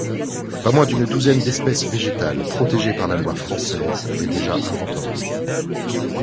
Pas moins d’une douzaine d’espèces végétales, protégées par la loi française, est déjà inventoriée.